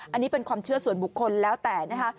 อันนี้เป็นความเชื่อส่วนบุคคลแล้วแต่นะคะ